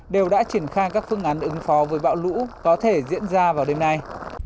đều đã triển khai các phương án ứng phó với bão lũ có thể diễn ra vào đêm nay